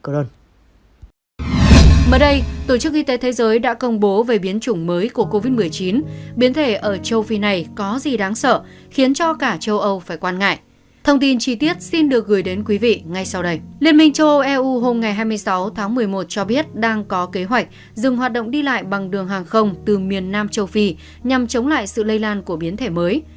liên minh châu âu eu hôm hai mươi sáu tháng một mươi một cho biết đang có kế hoạch dừng hoạt động đi lại bằng đường hàng không từ miền nam châu phi nhằm chống lại sự lây lan của biến thể mới